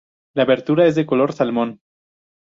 La abertura es de color salmón.